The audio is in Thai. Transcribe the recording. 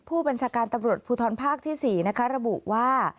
ผู้บัญชาการตำรวจภูทรภาคที่๔นะคะระบุว่า